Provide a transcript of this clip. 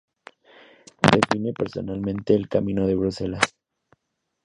Defiende personalmente el camino de Bruselas.